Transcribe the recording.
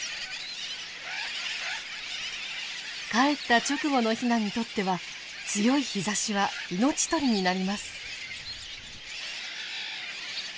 かえった直後のヒナにとっては強い日ざしは命取りになります。